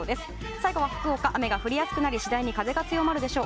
最後に福岡、雨が降り次第に風が強まるでしょう。